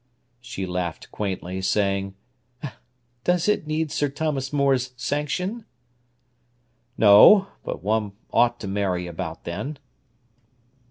She laughed quaintly, saying: "Does it need Sir Thomas More's sanction?" "No; but one ought to marry about then."